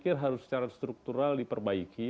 karena itu harus secara struktural diperbaiki